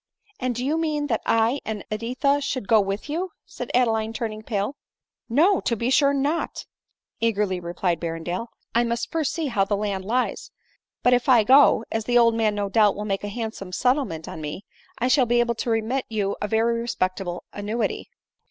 " And do you mean that I and Editha should go with you ?" said Adeline turning pale. P No, to be sure not," eagerly replied Berrendale ;" I must first see how the land lies. But if I go— as the old man no doubt will make a handsome settlement on me — I shall be able to remit you a very respectable annuity."